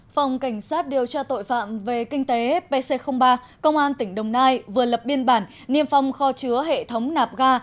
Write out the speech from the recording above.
phòng cảnh sát điều tra tội phạm về kinh tế pc ba công an tỉnh đồng nai vừa lập biên bản niêm phong kho chứa hệ thống nạp ga